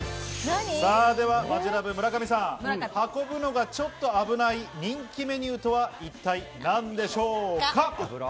マヂラブ・村上さん、運ぶのがちょっと危ない人気メニューとは、一体何でしょうか？